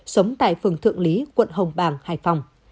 sống tại phường thượng lý quận hồng bàng hải phòng